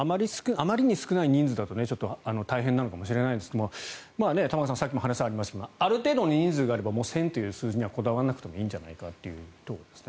あまりに少ない人数だと大変なのかもしれないですが玉川さん、さっきも話にありましたがある程度の人数があれば１０００という数字にはこだわらなくてもいいんじゃないかと思いますね。